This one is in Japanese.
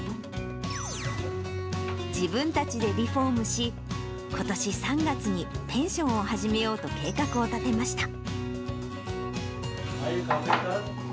自分たちでリフォームし、ことし３月にペンションを始めようと計画を立てました。